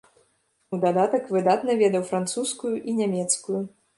У дадатак выдатна ведаў французскую і нямецкую.